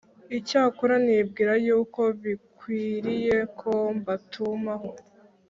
icyakora nibwira yuko binkwiriye ko mbatumaho